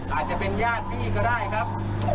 อาจจะเป็นญาติพี่ก็ได้ครับ